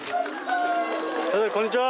こんにちは・